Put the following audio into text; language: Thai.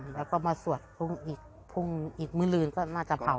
แล้วก็มาสวดพรุ่งอีกมึนหลืนก็น่าจะเผา